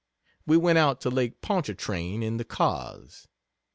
We went out to Lake Pontchartrain in the cars.